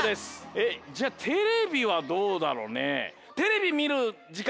えっじゃあテレビはどうだろうね？